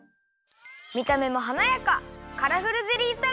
みためもはなやか！